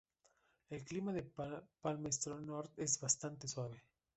El clima de Palmerston North es bastante suave.